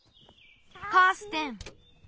カーステン！